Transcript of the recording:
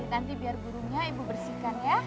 nanti biar burungnya ibu bersihkan ya